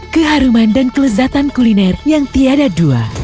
keharuman dan kelezatan kuliner yang tiada dua